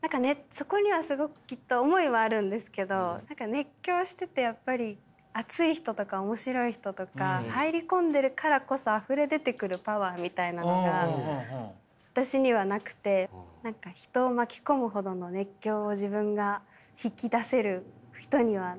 そこにはすごくきっと思いはあるんですけど何か熱狂しててやっぱり熱い人とか面白い人とか入り込んでいるからこそあふれ出てくるパワーみたいなのが私にはなくて何か人を巻き込むほどの熱狂を自分が引き出せる人にはなれない。